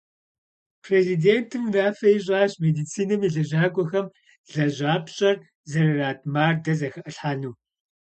Президентым унафэ ищӀащ медицинэм и лэжьакӀуэхэм лэжьапщӀэр зэрырат мардэ зэхалъхьэну.